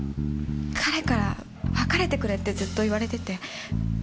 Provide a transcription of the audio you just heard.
彼から別れてくれってずっと言われてて。